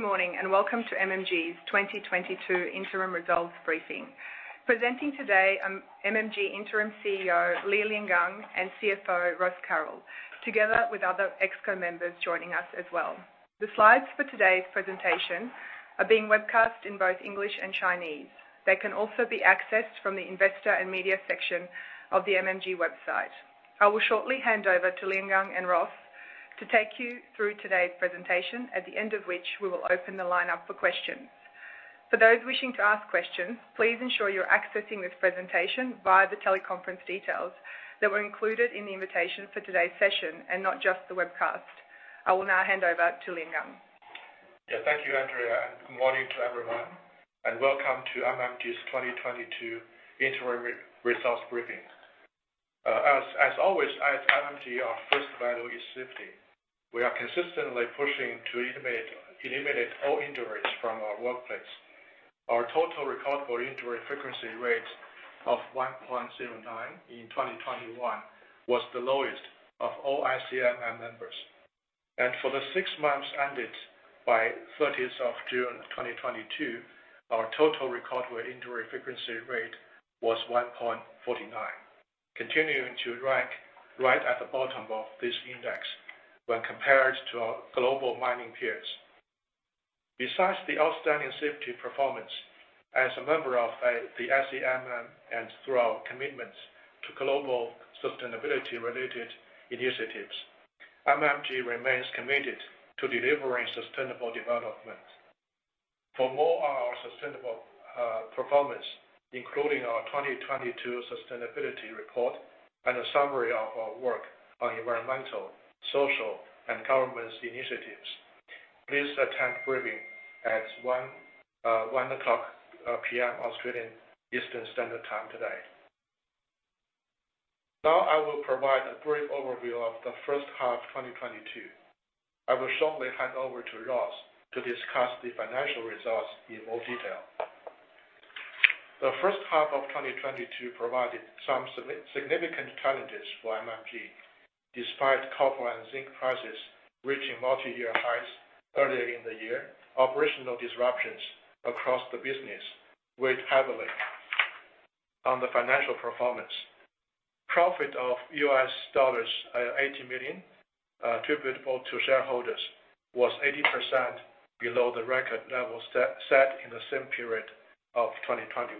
Good morning, and welcome to MMG's 2022 interim results briefing. Presenting today are MMG Interim CEO Liangang Li and CFO Ross Carroll, together with other ExCo members joining us as well. The slides for today's presentation are being webcast in both English and Chinese. They can also be accessed from the investor and media section of the MMG website. I will shortly hand over to Liangang and Ross to take you through today's presentation, at the end of which we will open the line up for questions. For those wishing to ask questions, please ensure you're accessing this presentation via the teleconference details that were included in the invitation for today's session, and not just the webcast. I will now hand over to Liangang. Yeah. Thank you, Andrea, and good morning to everyone. Welcome to MMG's 2022 interim results briefing. As always, at MMG, our first value is safety. We are consistently pushing to eliminate all injuries from our workplace. Our total recordable injury frequency rate of 1.09 in 2021 was the lowest of all ICMM members. For the six months ended by the 30th of June of 2022, our total recordable injury frequency rate was 1.49, continuing to rank right at the bottom of this index when compared to our global mining peers. Besides the outstanding safety performance, as a member of the ICMM and through our commitments to global sustainability-related initiatives, MMG remains committed to delivering sustainable development. For more on our sustainable performance, including our 2022 sustainability report and a summary of our work on environmental, social, and governance initiatives, please attend briefing at 1:00 P.M. Australian Eastern Standard Time today. Now I will provide a brief overview of the first half 2022. I will shortly hand over to Ross to discuss the financial results in more detail. The first half of 2022 provided some significant challenges for MMG. Despite copper and zinc prices reaching multi-year highs earlier in the year, operational disruptions across the business weighed heavily on the financial performance. Profit of $80 million, attributable to shareholders, was 80% below the record levels set in the same period of 2021.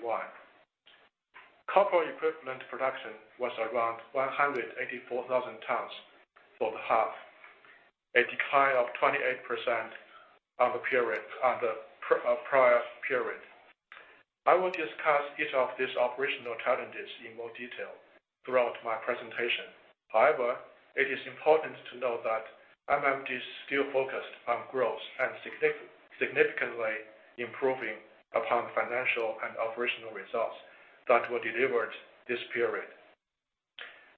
Copper equivalent production was around 184,000 tons for the half, a decline of 28% on the period, on the prior period. I will discuss each of these operational challenges in more detail throughout my presentation. However, it is important to note that MMG is still focused on growth and significantly improving upon financial and operational results that were delivered this period.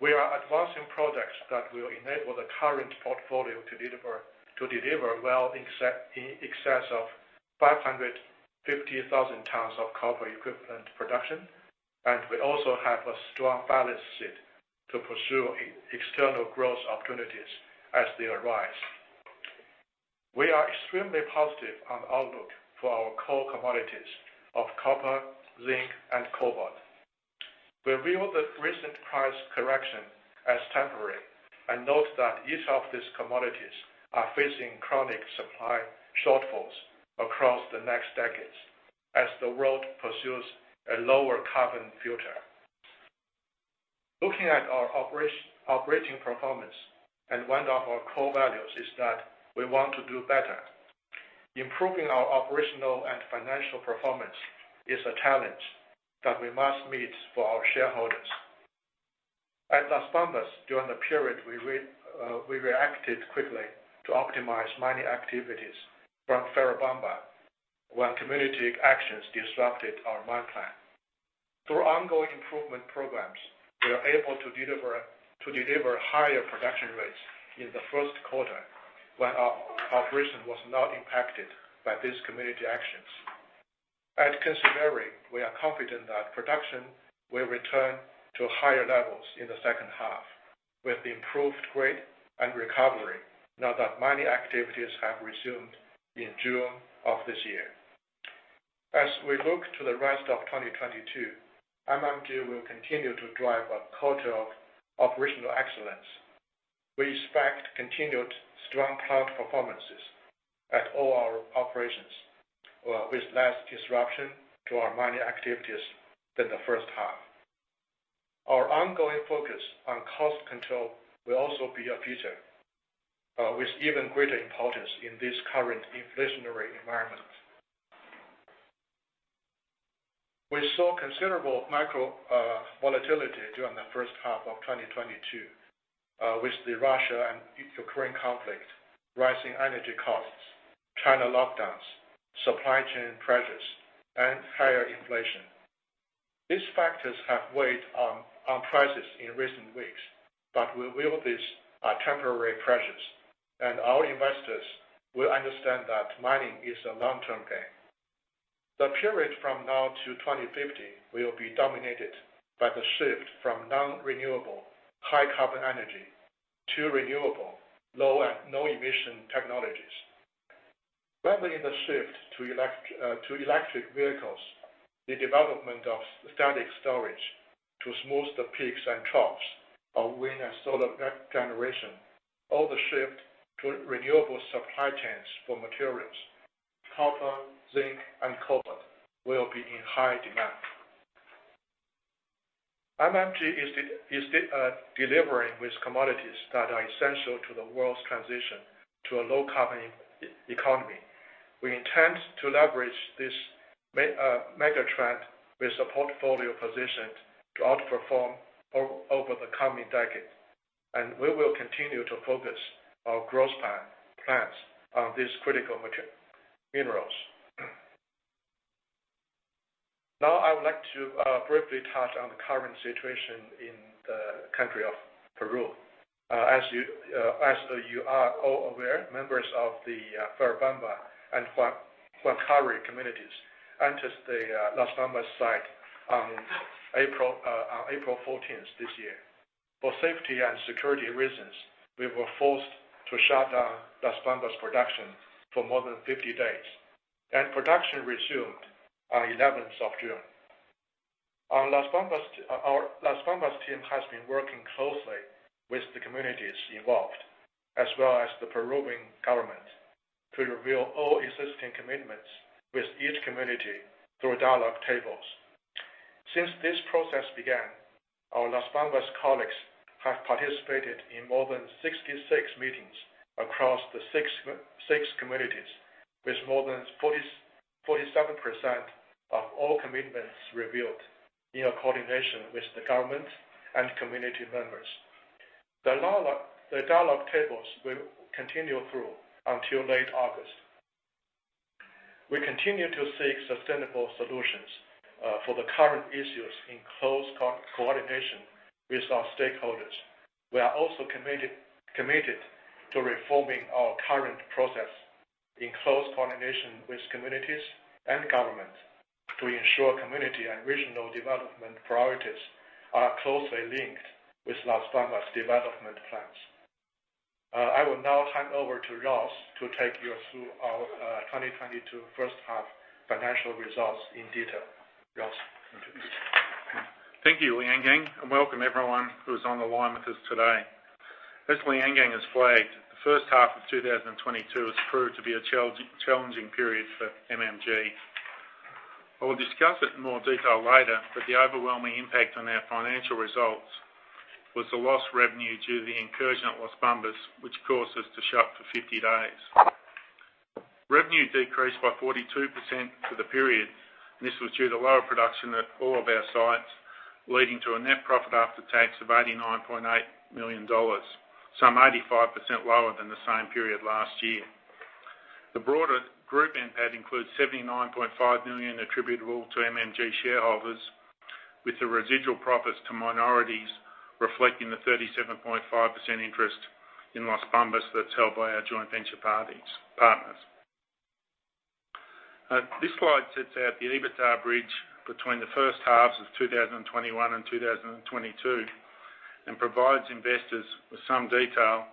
We are advancing projects that will enable the current portfolio to deliver well in excess of 550,000 tons of copper equivalent production, and we also have a strong balance sheet to pursue external growth opportunities as they arise. We are extremely positive on outlook for our core commodities of copper, zinc, and cobalt. We view the recent price correction as temporary and note that each of these commodities are facing chronic supply shortfalls across the next decades as the world pursues a lower carbon future. Looking at our operating performance, one of our core values is that we want to do better. Improving our operational and financial performance is a challenge that we must meet for our shareholders. At Las Bambas during the period, we reacted quickly to optimize mining activities from Fuerabamba when community actions disrupted our mine plan. Through ongoing improvement programs, we are able to deliver higher production rates in the first quarter when our operation was not impacted by these community actions. At Kinsevere, we are confident that production will return to higher levels in the second half, with improved grade and recovery now that mining activities have resumed in June of this year. As we look to the rest of 2022, MMG will continue to drive a culture of operational excellence. We expect continued strong plant performances at all our operations, with less disruption to our mining activities than the first half. Our ongoing focus on cost control will also be a feature, with even greater importance in this current inflationary environment. We saw considerable macro, volatility during the first half of 2022, with the Russia and Ukraine conflict, rising energy costs, China lockdowns, supply chain pressures, and higher inflation. These factors have weighed on prices in recent weeks, but we view these temporary pressures, and our investors will understand that mining is a long-term game. The period from now to 2050 will be dominated by the shift from non-renewable high carbon energy to renewable low and no emission technologies. Whether in the shift to electric vehicles, the development of static storage to smooth the peaks and troughs of wind and solar generation, or the shift to renewable supply chains for materials, copper, zinc, and cobalt will be in high demand. MMG is delivering with commodities that are essential to the world's transition to a low carbon economy. We intend to leverage this mega trend with a portfolio position to outperform over the coming decade, and we will continue to focus our growth plans on these critical minerals. Now I would like to briefly touch on the current situation in the country of Peru. As you are all aware, members of the Ferrobamba and Huancuire communities entered the Las Bambas site on April 14 this year. For safety and security reasons, we were forced to shut down Las Bambas production for more than 50 days, and production resumed on June 11. Our Las Bambas team has been working closely with the communities involved as well as the Peruvian government to reveal all existing commitments with each community through dialogue tables. Since this process began, our Las Bambas colleagues have participated in more than 66 meetings across the six communities with more than 47% of all commitments revealed in coordination with the government and community members. The dialogue tables will continue through until late August. We continue to seek sustainable solutions for the current issues in close coordination with our stakeholders. We are also committed to reforming our current process in close coordination with communities and governments to ensure community and regional development priorities are closely linked with Las Bambas development plans. I will now hand over to Ross to take you through our 2022 first half financial results in detail. Ross, thank you. Thank you, Liangang, and welcome everyone who is on the line with us today. As Liangang has flagged, the first half of 2022 has proved to be a challenging period for MMG. I will discuss it in more detail later, but the overwhelming impact on our financial results was the lost revenue due to the incursion at Las Bambas, which caused us to shut for 50 days. Revenue decreased by 42% for the period, and this was due to lower production at all of our sites, leading to a net profit after tax of $89.8 million, some 85% lower than the same period last year. The broader group NPAT includes $79.5 million attributable to MMG shareholders, with the residual profits to minorities reflecting the 37.5% interest in Las Bambas that's held by our joint venture partners. This slide sets out the EBITDA bridge between the first halves of 2021 and 2022 and provides investors with some detail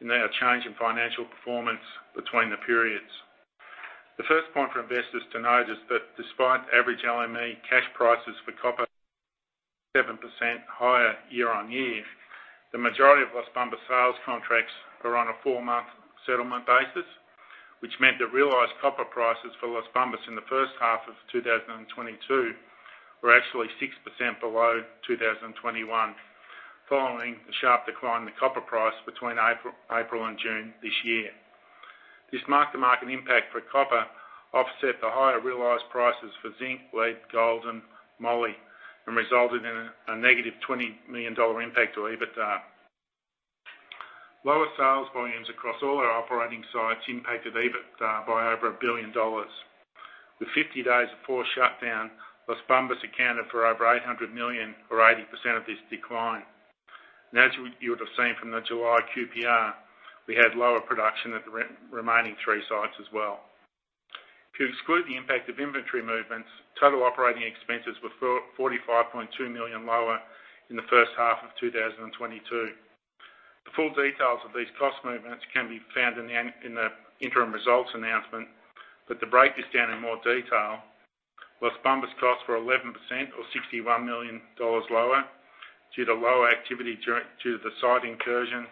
in our change in financial performance between the periods. The first point for investors to note is that despite average LME cash prices for copper 7% higher year-on-year, the majority of Las Bambas sales contracts are on a four-month settlement basis, which meant the realized copper prices for Las Bambas in the first half of 2022 were actually 6% below 2021, following the sharp decline in the copper price between April and June this year. This mark-to-market impact for copper offset the higher realized prices for zinc, lead, gold, and moly and resulted in a negative $20 million impact to EBITDA. Lower sales volumes across all our operating sites impacted EBITDA by over $1 billion. With 50 days of forced shutdown, Las Bambas accounted for over $800 million or 80% of this decline. As you would have seen from the July QPR, we had lower production at the remaining three sites as well. To exclude the impact of inventory movements, total operating expenses were $45.2 million lower in the first half of 2022. The full details of these cost movements can be found in the interim results announcement. To break this down in more detail, Las Bambas costs were 11% or $61 million lower due to lower activity due to the site incursion,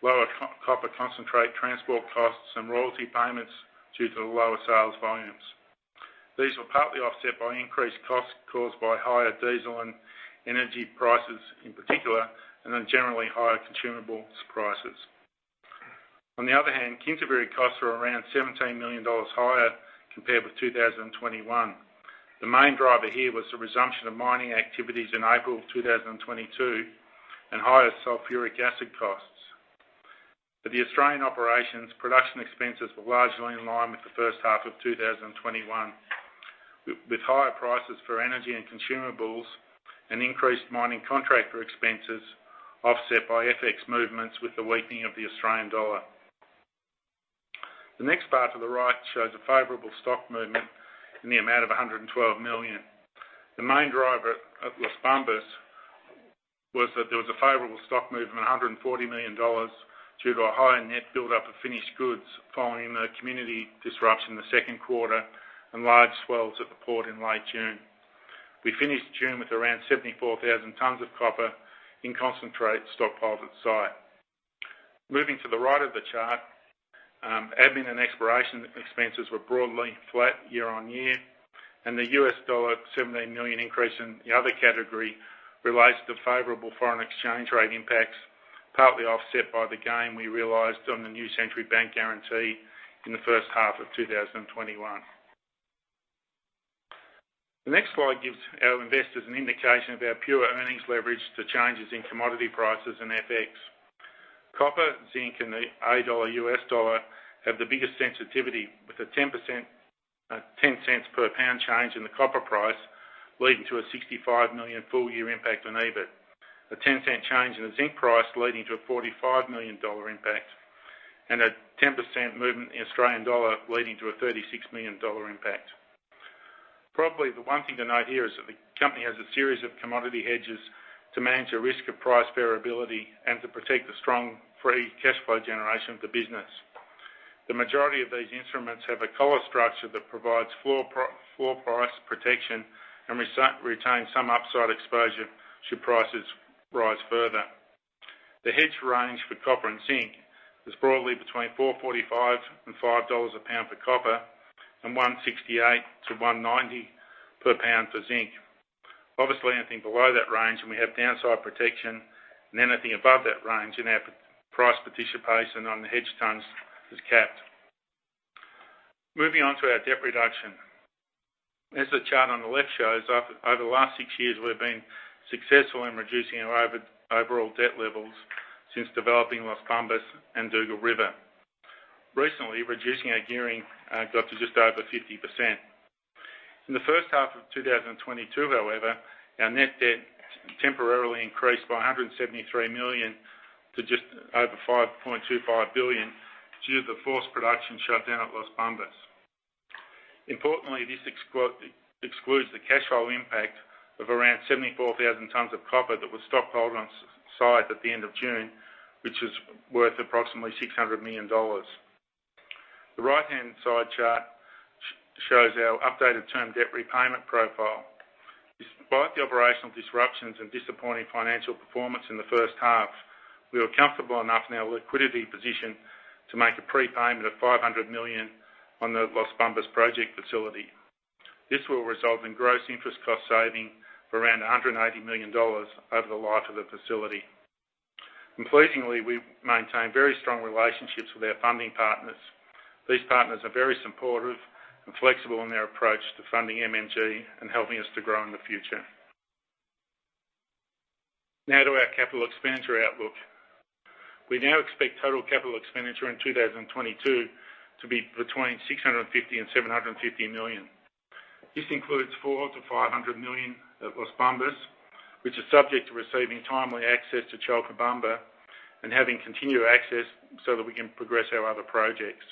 lower copper concentrate transport costs and royalty payments due to the lower sales volumes. These were partly offset by increased costs caused by higher diesel and energy prices in particular, and then generally higher consumables prices. On the other hand, Kinsevere costs were around $17 million higher compared with 2021. The main driver here was the resumption of mining activities in April 2022 and higher sulfuric acid costs. For the Australian operations, production expenses were largely in line with the first half of 2021, with higher prices for energy and consumables and increased mining contractor expenses offset by FX movements with the weakening of the Australian dollar. The next part to the right shows a favorable stock movement in the amount of $112 million. The main driver at Las Bambas was that there was a favorable stock movement, $140 million due to a higher net buildup of finished goods following the community disruption in the second quarter and large sales at the port in late June. We finished June with around 74,000 tons of copper in concentrate stockpiled at site. Moving to the right of the chart, admin and exploration expenses were broadly flat year-on-year, and the $17 million increase in the other category relates to favorable foreign exchange rate impacts, partly offset by the gain we realized on the New Century bank guarantee in the first half of 2021. The next slide gives our investors an indication of our pure earnings leverage to changes in commodity prices and FX. Copper, zinc, and the AUD U.S. dollar have the biggest sensitivity, with a $0.10 per pound change in the copper price leading to a $65 million full-year impact on EBIT. A $0.10 change in the zinc price leading to a $45 million impact, and a 10% movement in Australian dollar leading to a $36 million impact. Probably the one thing to note here is that the company has a series of commodity hedges to manage the risk of price variability and to protect the strong free cash flow generation of the business. The majority of these instruments have a collar structure that provides floor price protection and retains some upside exposure should prices rise further. The hedge range for copper and zinc is broadly between $4.45-$5 a pound for copper and $1.68-$1.90 per pound for zinc. Obviously, anything below that range and we have downside protection, and anything above that range in our price participation on the hedged tons is capped. Moving on to our debt reduction. As the chart on the left shows, over the last six years, we've been successful in reducing our overall debt levels since developing Las Bambas and Dugald River. Recently, reducing our gearing, got to just over 50%. In the first half of 2022, however, our net debt temporarily increased by $173 million to just over $5.25 billion due to the forced production shutdown at Las Bambas. Importantly, this excludes the cash flow impact of around 74,000 t of copper that was stockpiled on site at the end of June, which is worth approximately $600 million. The right-hand side chart shows our updated term debt repayment profile. Despite the operational disruptions and disappointing financial performance in the first half, we are comfortable enough in our liquidity position to make a prepayment of $500 million on the Las Bambas project facility. This will result in gross interest cost saving of around $180 million over the life of the facility. Pleasingly, we maintain very strong relationships with our funding partners. These partners are very supportive and flexible in their approach to funding MMG and helping us to grow in the future. Now to our capital expenditure outlook. We now expect total capital expenditure in 2022 to be between $650-$750 million. This includes $400-$500 million at Las Bambas, which is subject to receiving timely access to Chalcobamba and having continued access so that we can progress our other projects.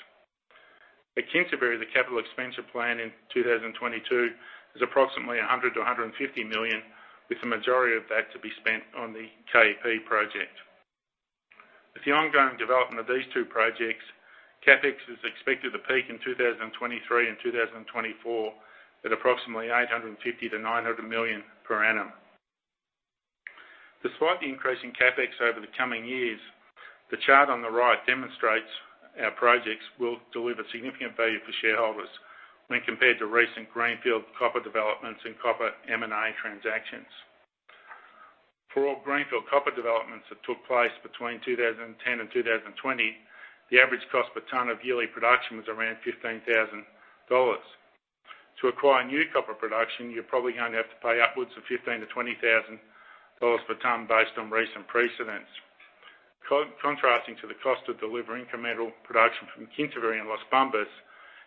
At Kinsevere, the capital expenditure plan in 2022 is approximately $100-$150 million, with the majority of that to be spent on the KEP project. With the ongoing development of these two projects, CapEx is expected to peak in 2023 and 2024 at approximately $850-$900 million per annum. Despite the increase in CapEx over the coming years, the chart on the right demonstrates our projects will deliver significant value for shareholders when compared to recent greenfield copper developments and copper M&A transactions. For all greenfield copper developments that took place between 2010 and 2020, the average cost per ton of yearly production was around $15,000. To acquire new copper production, you're probably going to have to pay upwards of $15,000-$20,000 per ton based on recent precedents. Contrasting to the cost of delivering incremental production from Kinsevere and Las Bambas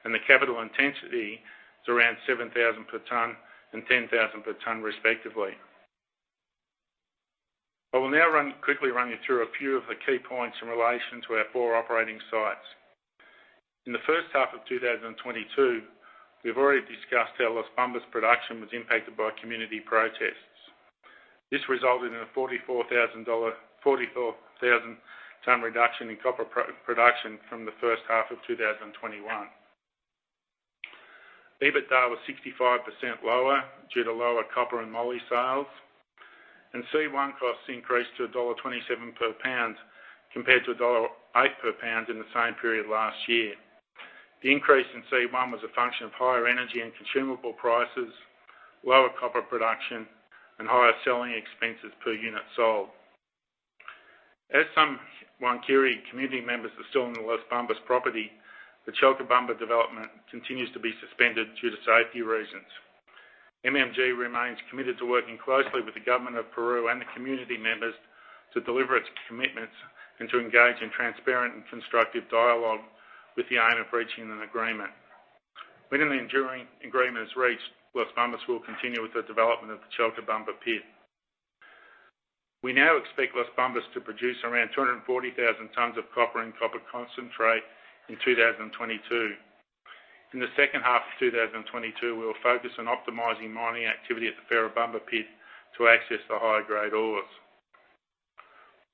and the capital intensity is around $7,000 per ton and $10,000 per ton, respectively. I will now quickly run you through a few of the key points in relation to our four operating sites. In the first half of 2022, we've already discussed how Las Bambas production was impacted by community protests. This resulted in a 44,000-ton reduction in copper production from the first half of 2021. EBITDA was 65% lower due to lower copper and moly sales, and C1 costs increased to $1.27 per pound compared to $1.08 per pound in the same period last year. The increase in C1 was a function of higher energy and consumable prices, lower copper production, and higher selling expenses per unit sold. Some Wankiri community members are still on the Las Bambas property, so the Chalcobamba development continues to be suspended due to safety reasons. MMG remains committed to working closely with the government of Peru and the community members to deliver its commitments and to engage in transparent and constructive dialogue with the aim of reaching an agreement. When an enduring agreement is reached, Las Bambas will continue with the development of the Chalcobamba pit. We now expect Las Bambas to produce around 240,000 tons of copper and copper concentrate in 2022. In the second half of 2022, we will focus on optimizing mining activity at the Ferrobamba pit to access the higher-grade ores.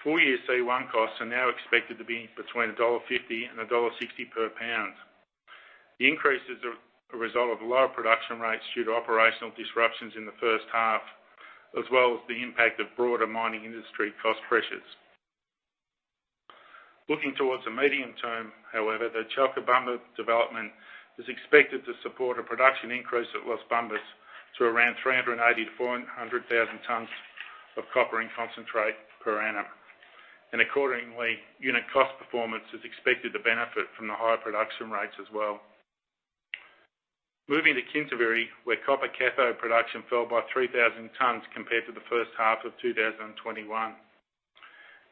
Full-year C1 costs are now expected to be between $1.50 and $1.60 per pound. The increases are a result of lower production rates due to operational disruptions in the first half, as well as the impact of broader mining industry cost pressures. Looking towards the medium term, however, the Chalcobamba development is expected to support a production increase at Las Bambas to around 380,000-400,000 t of copper and concentrate per annum. Accordingly, unit cost performance is expected to benefit from the higher production rates as well. Moving to Kinsevere, where copper cathode production fell by 3,000 t compared to the first half of 2021.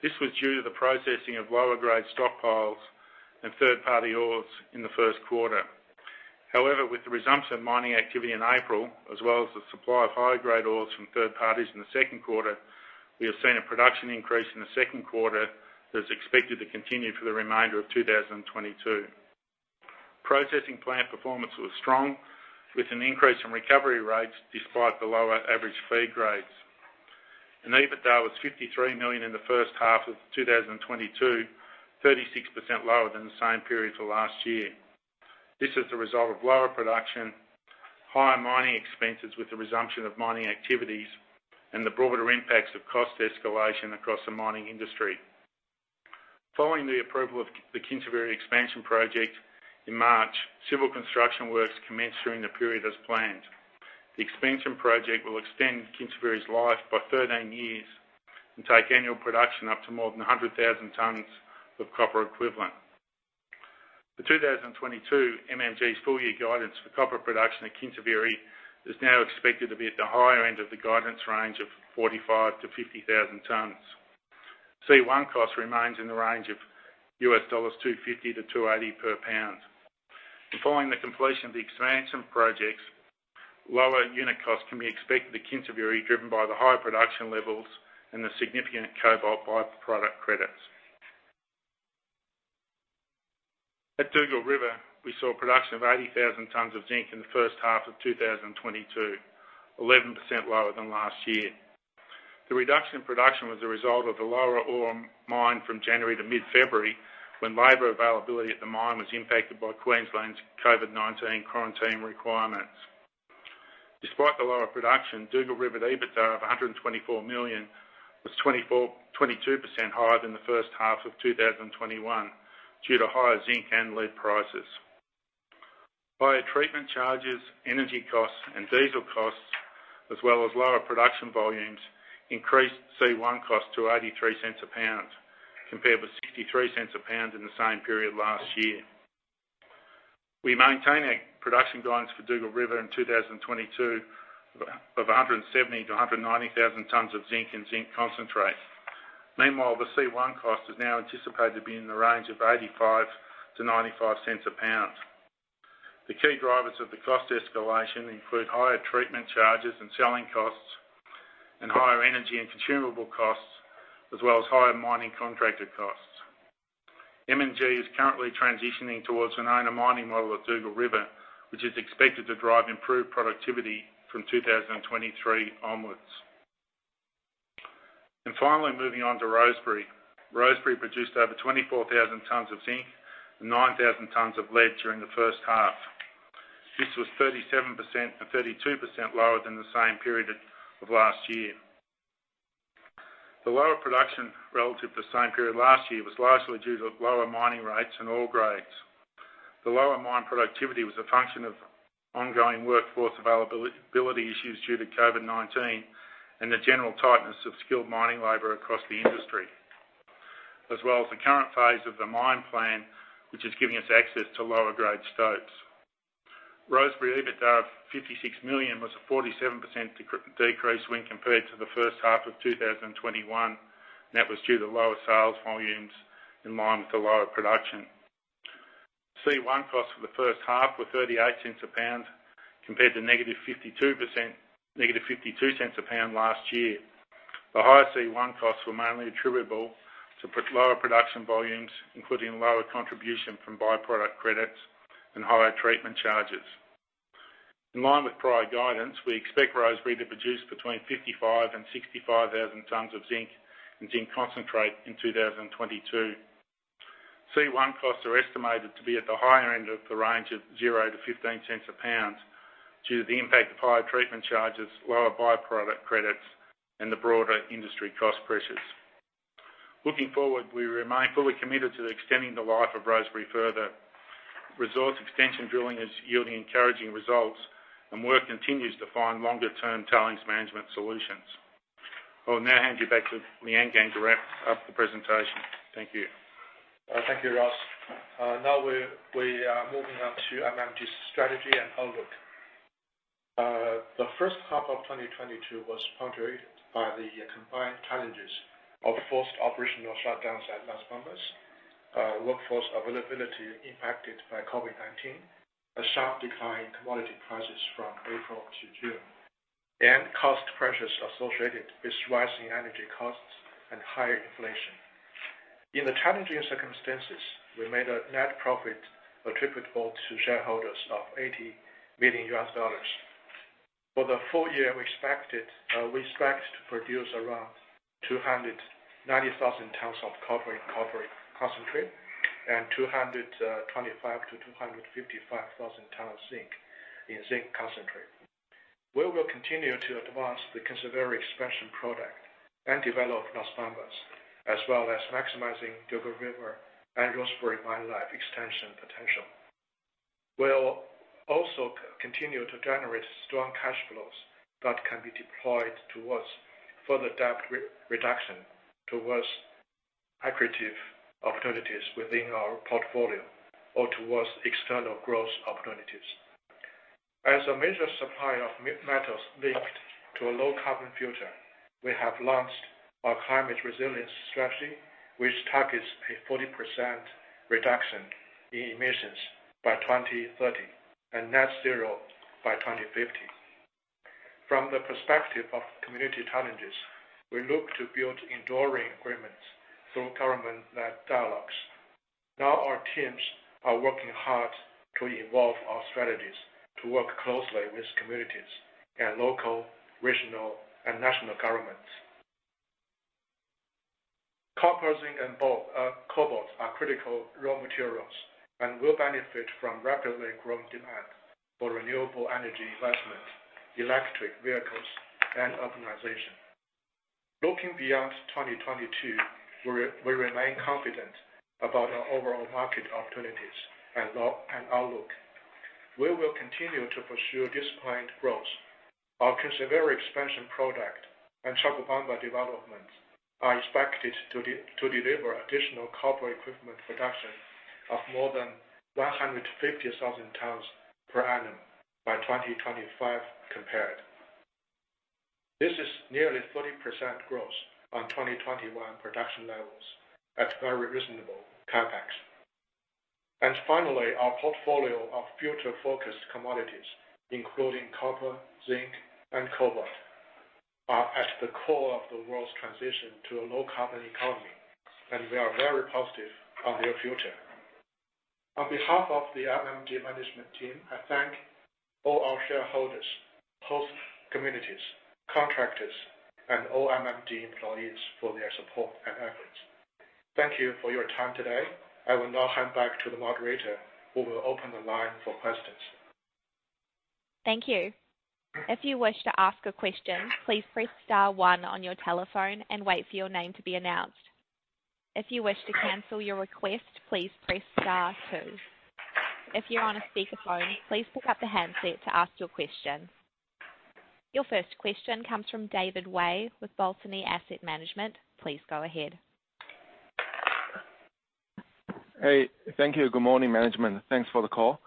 This was due to the processing of lower-grade stockpiles and third-party ores in the first quarter. However, with the resumption of mining activity in April, as well as the supply of higher-grade ores from third parties in the second quarter, we have seen a production increase in the second quarter that's expected to continue for the remainder of 2022. Processing plant performance was strong, with an increase in recovery rates despite the lower average feed grades. EBITDA was $53 million in the first half of 2022, 36% lower than the same period for last year. This is the result of lower production, higher mining expenses with the resumption of mining activities, and the broader impacts of cost escalation across the mining industry. Following the approval of the Kinsevere expansion project in March, civil construction works commenced during the period as planned. The expansion project will extend Kinsevere's life by 13 years and take annual production up to more than 100,000 tons of copper equivalent. For 2022, MMG's full-year guidance for copper production at Kinsevere is now expected to be at the higher end of the guidance range of 45,000-50,000 tons. C1 cost remains in the range of $250-$280 per pound. Following the completion of the expansion projects, lower unit costs can be expected at Kinsevere, driven by the higher production levels and the significant cobalt by-product credits. At Dugald River, we saw production of 80,000 t of zinc in the first half of 2022, 11% lower than last year. The reduction in production was a result of the lower ore mined from January to mid-February, when labor availability at the mine was impacted by Queensland's COVID-19 quarantine requirements. Despite the lower production, Dugald River EBITDA of $124 million was 22% higher than the first half of 2021 due to higher zinc and lead prices. Higher treatment charges, energy costs, and diesel costs, as well as lower production volumes, increased C1 costs to $0.83 per pound, compared with $0.63 per pound in the same period last year. We maintain our production guidance for Dugald River in 2022 of 170,000-190,000 tons of zinc and zinc concentrate. Meanwhile, the C1 cost is now anticipated to be in the range of $0.85-$0.95 per pound. The key drivers of the cost escalation include higher treatment charges and selling costs and higher energy and consumable costs, as well as higher mining contracted costs. MMG is currently transitioning towards an owner mining model at Dugald River, which is expected to drive improved productivity from 2023 onwards. Finally, moving on to Rosebery. Rosebery produced over 24,000 t of zinc and 9,000 t of lead during the first half. This was 37% and 32% lower than the same period of last year. The lower production relative to the same period last year was largely due to lower mining rates and ore grades. The lower mine productivity was a function of ongoing workforce availability and mobility issues due to COVID-19 and the general tightness of skilled mining labor across the industry, as well as the current phase of the mine plan, which is giving us access to lower-grade stopes. Rosebery EBITDA of $56 million was a 47% decrease when compared to the first half of 2021. That was due to lower sales volumes in line with the lower production. C1 costs for the first half were $0.38 a pound compared to -$0.52 a pound last year. The higher C1 costs were mainly attributable to lower production volumes, including lower contribution from by-product credits and higher treatment charges. In line with prior guidance, we expect Rosebery to produce between 55,000-65,000 t of zinc and zinc concentrate in 2022. C1 costs are estimated to be at the higher end of the range of $0-$0.15 a pound due to the impact of higher treatment charges, lower by-product credits, and the broader industry cost pressures. Looking forward, we remain fully committed to extending the life of Rosebery further. Resource extension drilling is yielding encouraging results, and work continues to find longer-term tailings management solutions. I will now hand you back to Liangang to wrap up the presentation. Thank you. Thank you, Ross. Now we are moving on to MMG's strategy and outlook. The first half of 2022 was punctuated by the combined challenges of forced operational shutdowns at Las Bambas, workforce availability impacted by COVID-19, a sharp decline in commodity prices from April to June, and cost pressures associated with rising energy costs and higher inflation. In the challenging circumstances, we made a net profit attributable to shareholders of $80 million. For the full year, we expect to produce around 290,000 tons of copper and copper concentrate and 225,000-255,000 t of zinc in zinc concentrate. We will continue to advance the Kinsevere expansion project and develop Las Bambas, as well as maximizing Dugald River and Rosebery mine life extension potential. We'll also continue to generate strong cash flows that can be deployed towards further debt reduction, towards accretive opportunities within our portfolio or towards external growth opportunities. As a major supplier of metals linked to a low carbon future, we have launched our climate resilience strategy, which targets a 40% reduction in emissions by 2030 and net zero by 2050. From the perspective of community challenges, we look to build enduring agreements through government and dialogues. Now, our teams are working hard to evolve our strategies to work closely with communities and local, regional, and national governments. Copper, zinc, and cobalt are critical raw materials and will benefit from rapidly growing demand for renewable energy investments, electric vehicles, and urbanization. Looking beyond 2022, we remain confident about our overall market opportunities and outlook. We will continue to pursue disciplined growth. Our Kinsevere expansion project and Chalcobamba developments are expected to deliver additional copper equivalent production of more than 150,000 t per annum by 2025 compared. This is nearly 30% growth on 2021 production levels at very reasonable CapEx. Finally, our portfolio of future-focused commodities, including copper, zinc and cobalt, are at the core of the world's transition to a low carbon economy, and we are very positive on their future. On behalf of the MMG management team, I thank all our shareholders, host communities, contractors, and all MMG employees for their support and efforts. Thank you for your time today. I will now hand back to the moderator who will open the line for questions. Thank you. If you wish to ask a question, please press star one on your telephone and wait for your name to be announced. If you wish to cancel your request, please press star two. If you're on a speakerphone, please pick up the handset to ask your question. Your first question comes from David Wei with Balyasny Asset Management. Please go ahead. Hey, thank you. Good morning, management. Thanks for the call.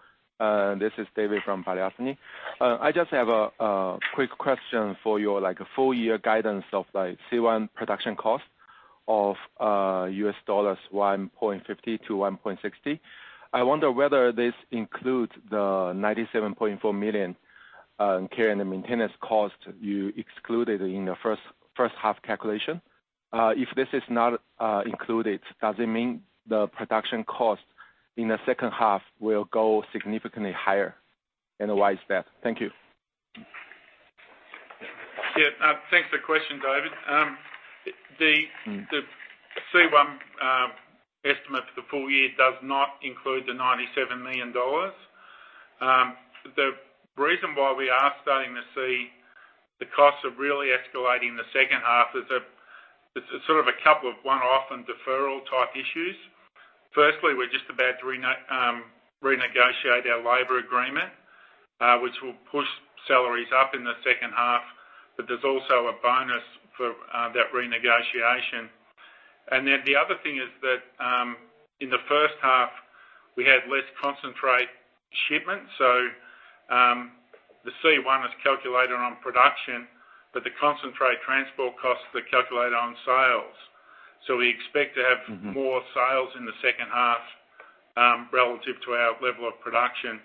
This is David from Balyasny. I just have a quick question for you, like, full year guidance of, like, C1 production cost of $1.50-$1.60. I wonder whether this includes the $97.4 million care and maintenance cost you excluded in the first half calculation. If this is not included, does it mean the production cost in the second half will go significantly higher, and why is that? Thank you. Yeah, thanks for the question, David. Mm-hmm. The C1 estimate for the full year does not include the $97 million. The reason why we are starting to see the costs really escalating in the second half is it's sort of a couple of one-off and deferral type issues. Firstly, we're just about to renegotiate our labor agreement, which will push salaries up in the second half, but there's also a bonus for that renegotiation. The other thing is that in the first half, we had less concentrate shipments. The C1 is calculated on production, but the concentrate transport costs are calculated on sales. Mm-hmm. More sales in the second half, relative to our level of production.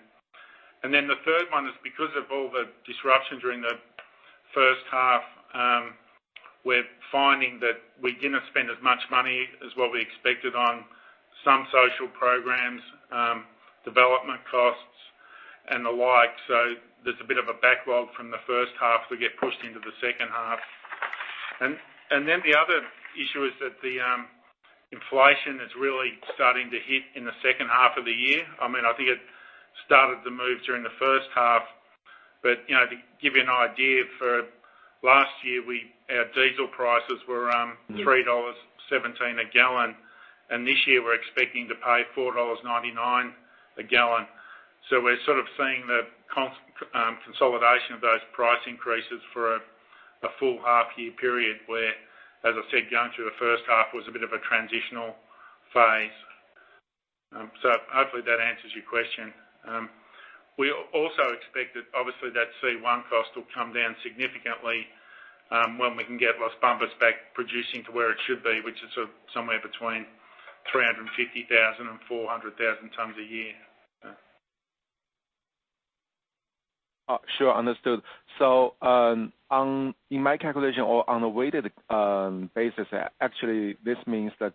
The third one is because of all the disruption during the first half, we're finding that we didn't spend as much money as what we expected on some social programs, development costs, and the like. There's a bit of a backlog from the first half to get pushed into the second half. The other issue is that the inflation is really starting to hit in the second half of the year. I mean, I think it started to move during the first half, but you know, to give you an idea, for last year, we our diesel prices were $3.17 a gallon, and this year we're expecting to pay $4.99 a gallon. We're sort of seeing the consolidation of those price increases for a full half year period, where, as I said, going through the first half was a bit of a transitional phase. Hopefully that answers your question. We also expect that obviously that C1 cost will come down significantly, when we can get Las Bambas back producing to where it should be, which is sort of somewhere between 350,000 and 400,000 t a year. Sure. Understood. In my calculation or on a weighted basis, actually this means that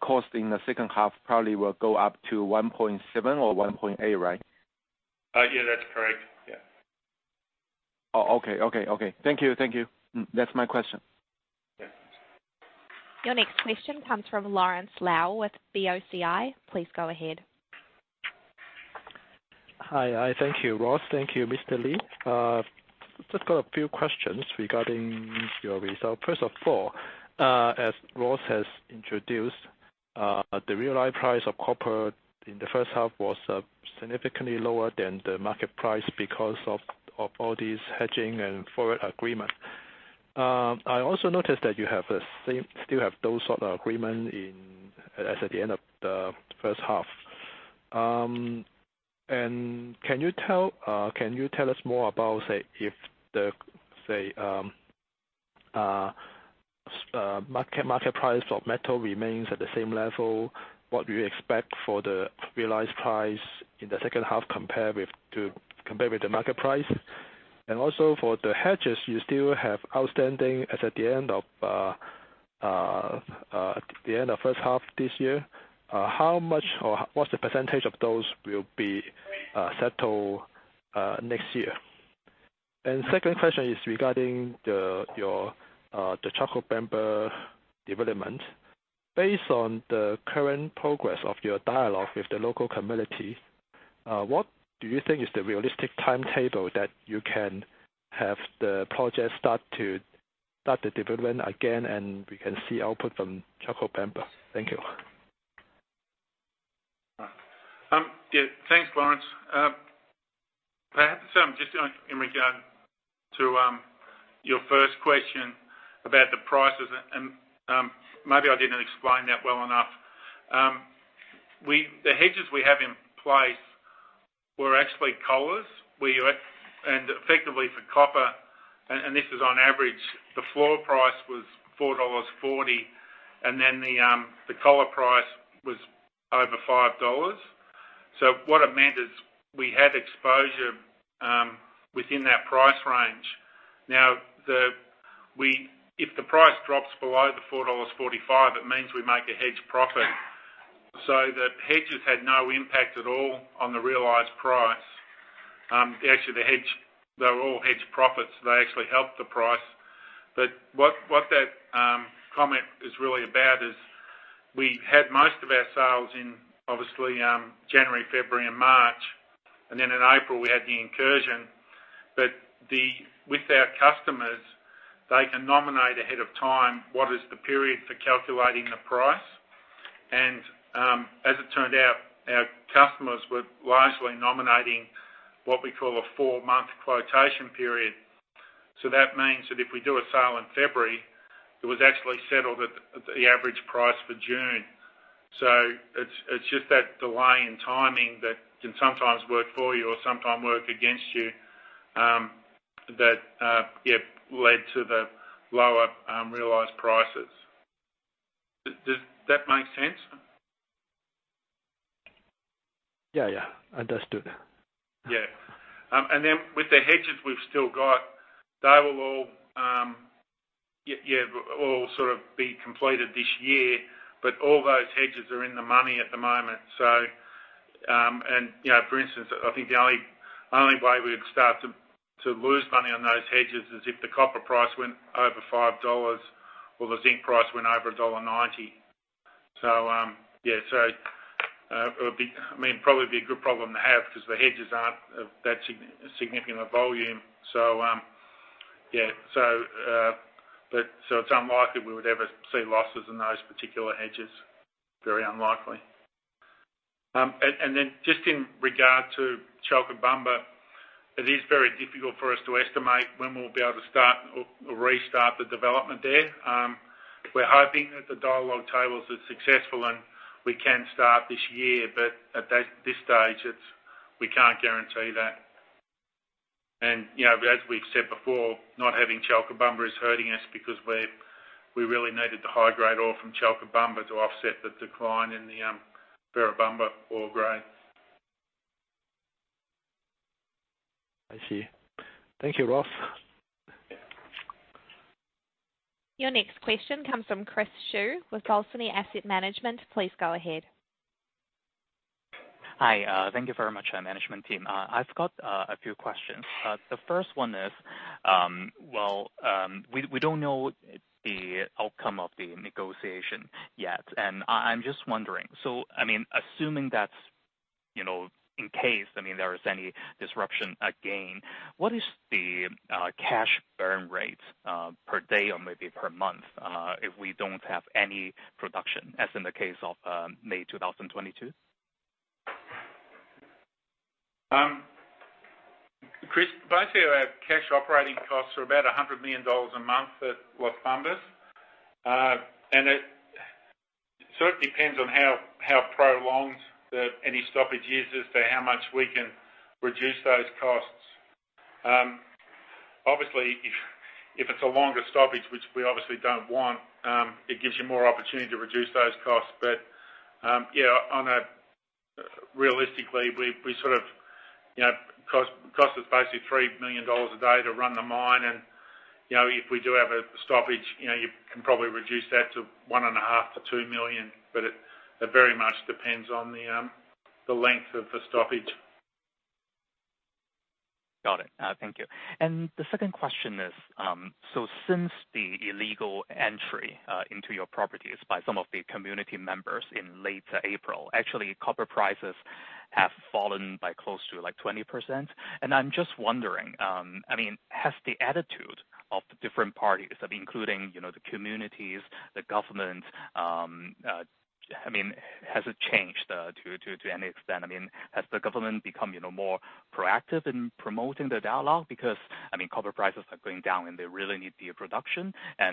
cost in the second half probably will go up to $1.7-$1.8, right? Yeah, that's correct. Yeah. Oh, okay. Thank you. That's my question. Yeah. Your next question comes from Lawrence Lau with BOCI. Please go ahead. Hi. I thank you, Ross. Thank you, Mr. Li. Just got a few questions regarding your results. First of all, as Ross has introduced, the realized price of copper in the first half was significantly lower than the market price because of all these hedging and forward agreement. I also noticed that you still have those sort of agreement as at the end of the first half. Can you tell us more about, say, if the market price of metal remains at the same level, what do you expect for the realized price in the second half compared with the market price? Also for the hedges you still have outstanding as at the end of first half this year, how much or what's the percentage of those will be settled next year? Second question is regarding your Chalcobamba development. Based on the current progress of your dialogue with the local community, what do you think is the realistic timetable that you can have the project start the development again, and we can see output from Chalcobamba? Thank you. Yeah. Thanks, Lawrence. Perhaps, just, you know, in regard to your first question about the prices and, maybe I didn't explain that well enough. The hedges we have in place were actually collars. Effectively for copper, and this is on average, the floor price was $4.40, and then the collar price was over $5. What it meant is we had exposure within that price range. Now, if the price drops below the $4.45, it means we make a hedge profit. The hedges had no impact at all on the realized price. Actually the hedge, they were all hedge profits. They actually helped the price. That comment is really about we had most of our sales in obviously January, February and March, and then in April we had the incursion. With our customers, they can nominate ahead of time what is the period for calculating the price. As it turned out, our customers were largely nominating what we call a four-month quotation period. That means that if we do a sale in February, it was actually settled at the average price for June. It's just that delay in timing that can sometimes work for you or sometimes work against you that led to the lower realized prices. Does that make sense? Yeah, yeah. Understood. With the hedges we've still got, they will all sort of be completed this year, but all those hedges are in the money at the moment. You know, for instance, I think the only way we'd start to lose money on those hedges is if the copper price went over $5 or the zinc price went over $1.90. It would be, I mean, probably be a good problem to have because the hedges aren't of that significant volume. It's unlikely we would ever see losses in those particular hedges. Very unlikely. Just in regard to Chalcobamba, it is very difficult for us to estimate when we'll be able to start or restart the development there. We're hoping that the dialogue tables are successful and we can start this year. At this stage, we can't guarantee that. You know, as we've said before, not having Chalcobamba is hurting us because we really needed the high-grade ore from Chalcobamba to offset the decline in the Ferrobamba ore grade. I see. Thank you, Ross. Yeah. Your next question comes from Chris Cheung with Balyasny Asset Management. Please go ahead. Hi. Thank you very much, management team. I've got a few questions. The first one is, well, we don't know the outcome of the negotiation yet, and I'm just wondering, so, I mean, assuming that's, you know, in case, I mean, there is any disruption again, what is the cash burn rate, per day or maybe per month, if we don't have any production, as in the case of May 2022? I'd say our cash operating costs are about $100 million a month at Las Bambas. It sort of depends on how prolonged any stoppage is as to how much we can reduce those costs. Obviously, if it's a longer stoppage, which we obviously don't want, it gives you more opportunity to reduce those costs. Realistically, we sort of, you know, costs us basically $3 million a day to run the mine and, you know, if we do have a stoppage, you know, you can probably reduce that to $1.5 million-$2 million. It very much depends on the length of the stoppage. Got it. Thank you. The second question is, so since the illegal entry into your properties by some of the community members in late April, actually, copper prices have fallen by close to, like, 20%. I'm just wondering, I mean, has the attitude of the different parties, I mean, including, you know, the communities, the government, I mean, has it changed to any extent? I mean, has the government become, you know, more proactive in promoting the dialogue? Because, I mean, copper prices are going down, and they really need the production. I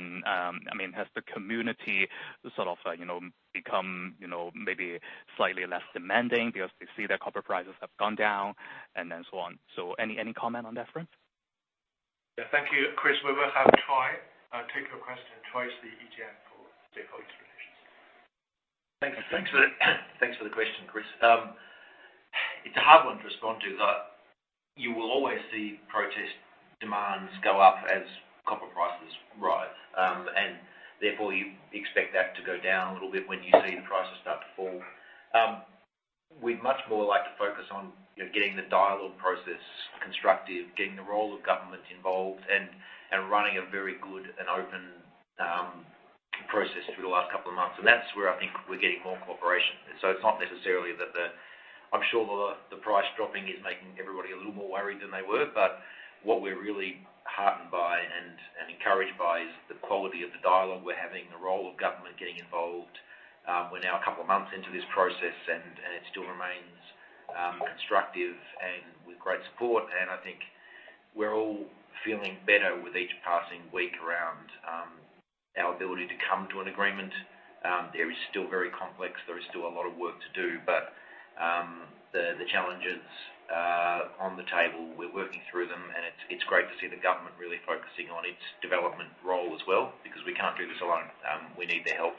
mean, has the community sort of, you know, become, you know, maybe slightly less demanding because they see that copper prices have gone down and then so on? Any comment on that front? Yeah. Thank you, Chris. We will have Troy take your question. Troy is the AGM for Stakeholder Relations. Thanks for the question, Chris. It's a hard one to respond to. You will always see protest demands go up as copper prices rise. Therefore you expect that to go down a little bit when you see the prices start to fall. We'd much more like to focus on, you know, getting the dialogue process constructive, getting the role of government involved and running a very good and open process through the last couple of months. That's where I think we're getting more cooperation. It's not necessarily that. I'm sure the price dropping is making everybody a little more worried than they were, but what we're really heartened by and encouraged by is the quality of the dialogue we're having, the role of government getting involved. We're now a couple of months into this process and it still remains constructive and with great support. I think we're all feeling better with each passing week around our ability to come to an agreement. There is still very complex. There is still a lot of work to do, but the challenges are on the table. We're working through them, and it's great to see the government really focusing on its development role as well, because we can't do this alone. We need their help.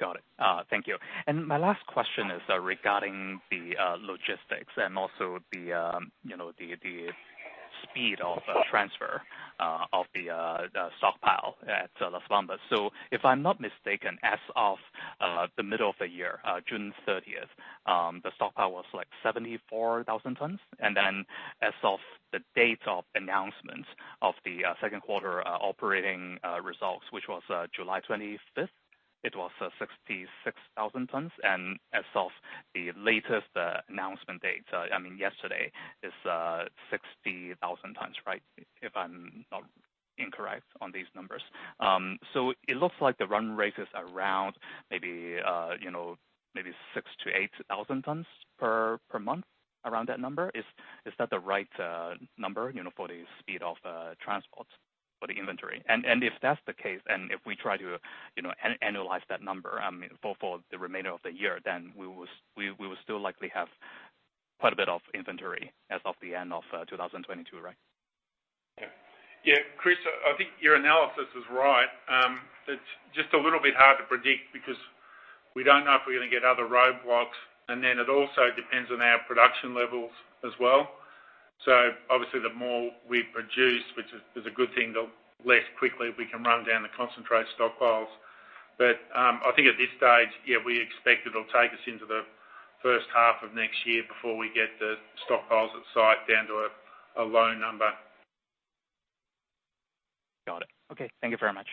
Got it. Thank you. My last question is regarding the logistics and also the, you know, the speed of transfer of the stockpile at Las Bambas. If I'm not mistaken, as of the middle of the year, June 30, the stockpile was, like, 74,000 t. Then as of the date of announcement of the second quarter operating results, which was July 25, it was 66,000 tons. As of the latest announcement date, I mean, yesterday is 60,000 t, right? If I'm not incorrect on these numbers. It looks like the run rate is around maybe, you know, maybe 6,000-8,000 t per month around that number. Is that the right number, you know, for the speed of transport for the inventory? If that's the case, and if we try to, you know, annualize that number, for the remainder of the year, then we will still likely have quite a bit of inventory as of the end of 2022, right? Yeah. Yeah, Chris, I think your analysis is right. It's just a little bit hard to predict because we don't know if we're gonna get other roadblocks, and then it also depends on our production levels as well. Obviously, the more we produce, which is a good thing, the less quickly we can run down the concentrate stockpiles. I think at this stage, yeah, we expect it'll take us into the first half of next year before we get the stockpiles at site down to a low number. Got it. Okay, thank you very much.